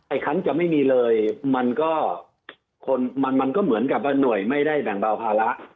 ไอ้คั้นจะไม่มีเลยมันก็เหมือนกับหน่วยไม่ได้แบ่งเบาภาระ